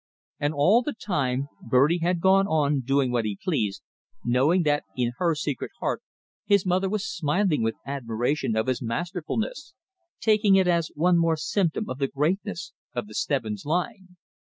And all the time, Bertie had gone on doing what he pleased, knowing that in her secret heart his mother was smiling with admiration of his masterfulness, taking it as one more symptom of the greatness of the Stebbins line.